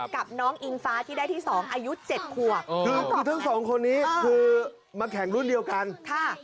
กับน้องอิงฟ้าที่ได้ที่สองอายุเจ็ดขวบคือทั้งสองคนนี้คือมาแข่งรุ่นเดียวกันค่ะ